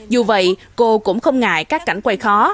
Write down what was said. dù vậy cô cũng không ngại các cảnh quay khó